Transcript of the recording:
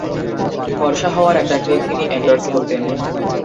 ফরসা হওয়ার একটা ক্রিম তিনি এনডর্স করতেন।